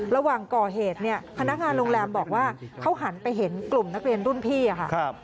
ระหว่างก่อเหตุเนี่ยพนักงานโรงแรมบอกว่าเขาหันไปเห็นกลุ่มนักเรียนรุ่นพี่ค่ะ